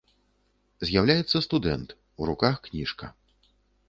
З'яўляецца студэнт, у руках кніжка.